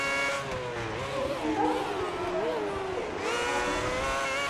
د تخمدان د کیست لپاره د څه شي اوبه وکاروم؟